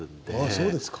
そうですか。